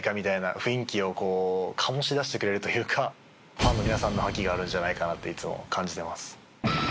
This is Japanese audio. ファンの皆さんの覇気があるんじゃないかなっていつも感じてます。